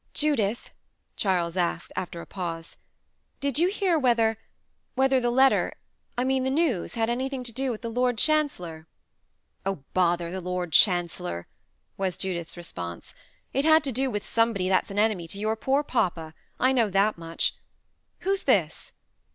"Judith," Charles asked, after a pause, "did you hear whether whether the letter I mean the news had anything to do with the Lord Chancellor?" "Oh, bother the Lord Chancellor!" was Judith's response. "It had to do with somebody that's an enemy to your poor papa. I know that much. Who's this?"